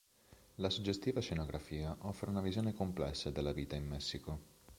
La suggestiva scenografia offre una visione complessa della vita in Messico.